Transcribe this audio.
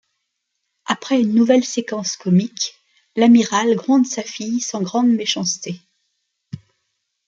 Après une nouvelle séquence comique, l'amiral gronde sa fille sans grande méchanceté.